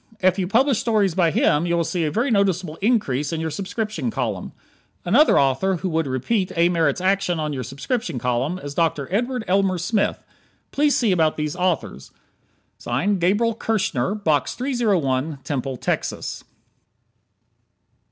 If you publish stories by him you will see a very noticeable increase in your subscription column. Another author who would repeat A. Merritt's action on your subscription column is Dr. Edward Elmer Smith. Please see about these authors. Gabriel Kirschner, Box 301, Temple, Texas.